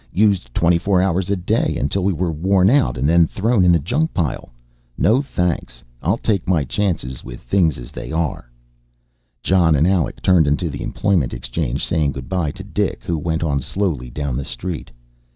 Used twenty four hours a day until we were worn out and then thrown in the junk pile. No thanks, I'll take my chances with things as they are." Jon and Alec turned into the employment exchange, saying good by to Dik who went on slowly down the street.